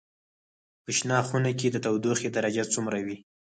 په شنه خونه کې د تودوخې درجه څومره وي؟